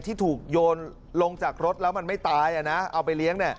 ที่ถูกโยนลงจากรถแล้วมันไม่ตายเอาไปเลี้ยง